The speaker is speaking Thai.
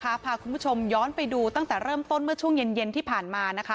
พาคุณผู้ชมย้อนไปดูตั้งแต่เริ่มต้นเมื่อช่วงเย็นเย็นที่ผ่านมานะคะ